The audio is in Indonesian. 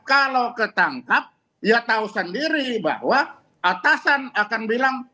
kalau ketangkap ya tahu sendiri bahwa atasan akan bilang